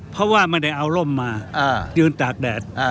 เพราะว่าไม่ได้เอาร่มมายืนตากแดด